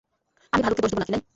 আমি ভালুককে দোষ দেব না, কিনাই।